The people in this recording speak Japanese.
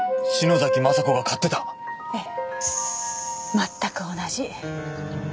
全く同じ。